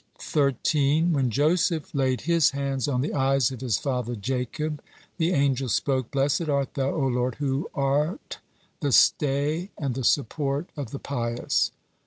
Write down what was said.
13. When Joseph laid his hands on the eyes of his father Jacob, the angels spoke: "Blessed art Thou, O Lord, who are the stay and the support of the pious."